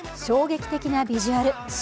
衝撃的なビジュアル